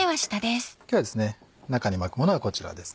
今日は中に巻くものはこちらです。